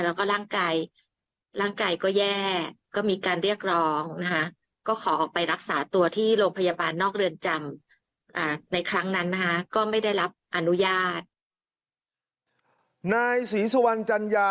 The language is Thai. แล้วก็ร่างกายร่างกายก็แย่ก็มีการเรียกรองนะฮะ